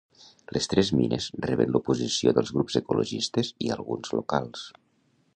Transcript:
Les tres mines reben l'oposició dels grups ecologistes i alguns locals.